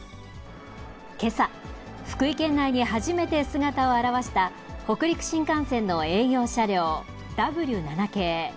けさ、福井県内に初めて姿を現した、北陸新幹線の営業車両、Ｗ７系。